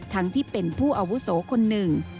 ทั้งที่เป็นผู้อาวุโสคนหนึ่ง